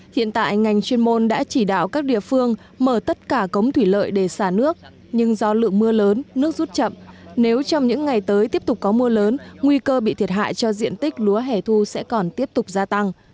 hiện tại ngành chuyên môn đã chỉ đạo các địa phương mở tất cả cống thủy lợi để xả nước nhưng do lượng mưa lớn nước rút chậm nếu trong những ngày tới tiếp tục có mưa lớn nguy cơ bị thiệt hại cho diện tích lúa hẻ thu sẽ còn tiếp tục gia tăng